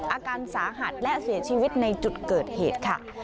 อาการสาหัสและเสียชีวิตในจุดเกิดเหตุค่ะ